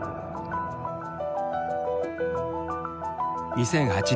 ２００８年。